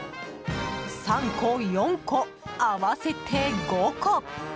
３個、４個、合わせて５個。